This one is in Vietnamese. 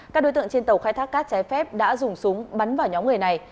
các đối tượng trên tàu khai thác cát trái phép đã dùng súng bắn vào nhóm người này